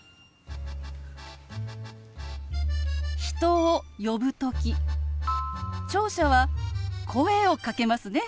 人を呼ぶ時聴者は声をかけますね。